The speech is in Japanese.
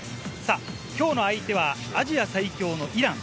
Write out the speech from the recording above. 今日の相手はアジア最強のイラン。